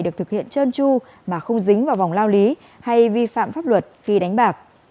được thực hiện trơn tru mà không dính vào vòng lao lý hay vi phạm pháp luật khi đánh bạc